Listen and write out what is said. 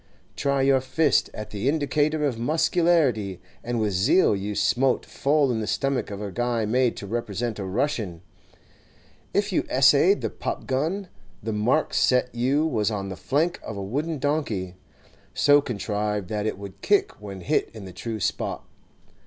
Try your fist at the indicator of muscularity, and with zeal you smote full in the stomach of a guy made to represent a Russian. If you essayed the pop gun, the mark set you was on the flank of a wooden donkey, so contrived that it would kick when hit in the true spot.